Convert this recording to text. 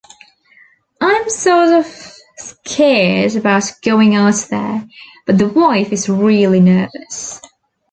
I'm sort of scared about going out there, but the wife is really nervous.